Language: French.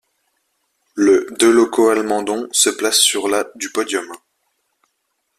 Le de Locoal-Mendon se place sur la du podium.